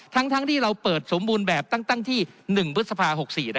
ทั้งที่เราเปิดสมบูรณ์แบบตั้งที่๑พฤษภา๖๔